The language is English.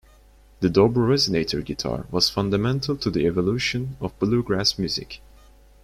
The Dobro resonator guitar was fundamental to the evolution of bluegrass music.